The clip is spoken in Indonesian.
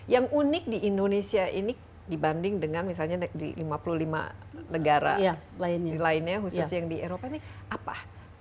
yang unik di indonesia ini dibanding dengan misalnya di lima puluh lima negara lainnya khususnya yang di eropa ini apa